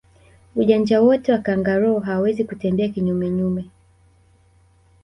Ujanja wote wa kangaroo hawezi kutembea kinyume nyume